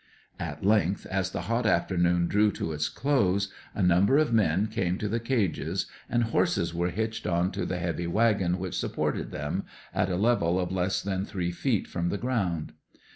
At length, as the hot afternoon drew to its close, a number of men came to the cages, and horses were hitched on to the heavy wagon which supported them, at a level of less than three feet from the ground.